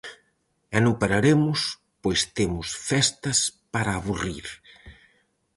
E non pararemos, pois temos festas para aburrir.